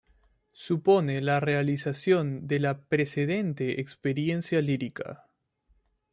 Supone “la realización de la precedente experiencia lírica.